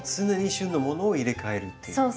常に旬のものを入れ替えるっていう。